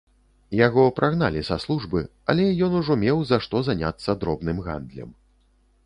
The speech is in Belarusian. Яго прагналі са службы, але ён ужо меў за што заняцца дробным гандлем.